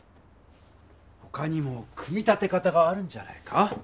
ほかにも組み立て方があるんじゃないか？